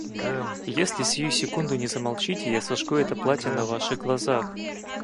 Если сию секунду не замолчите, я сожгу это платье на Ваших глазах!